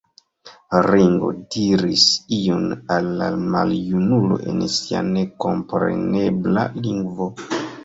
Ringo diris ion al la maljunulo en sia nekomprenebla lingvo.